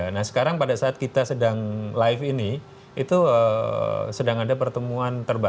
nah sekarang pada saat kita sedang live ini itu sedang ada pertemuan terbaru